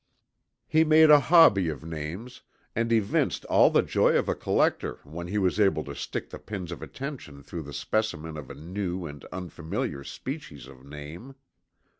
He made a hobby of names, and evinced all the joy of a collector when he was able to stick the pin of attention through the specimen of a new and unfamiliar species of name.